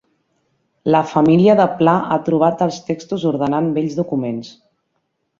La família de Pla ha trobat els textos ordenant vells documents